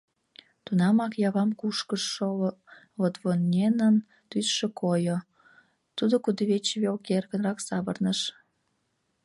Тунамак «Явам» кушкыжшо Лотвоненын тӱсшӧ койо, тудо кудывече велке эркынрак савырныш.